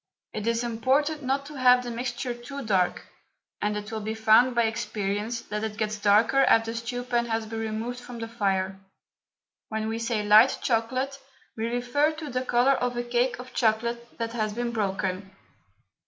It is important not to have the mixture too dark, and it will be found by experience that it gets darker after the stew pan has been removed from the fire. When we say light chocolate we refer to the colour of a cake of chocolate that has been broken.